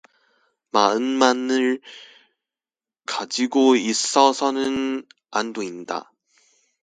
마음만을 가지고 있어서는 안 된다.